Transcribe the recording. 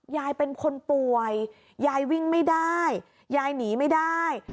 ยายเป็นคนป่วยยายวิ่งไม่ได้ยายหนีไม่ได้